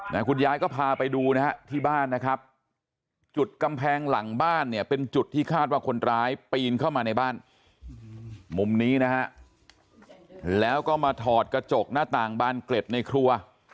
มุมนี้นะฮะแล้วก็มาถอดกระจกหน้าต่างบานเกร็ดในครัว